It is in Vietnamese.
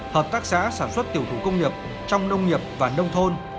hợp tác xã sản xuất tiểu thủ công nghiệp trong nông nghiệp và nông thôn